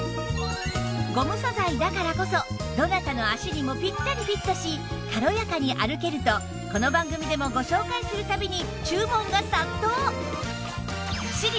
ゴム素材だからこそどなたの足にもピッタリフィットし軽やかに歩けるとこの番組でもご紹介する度に注文が殺到！